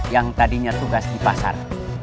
yang tadinya tugas di pasar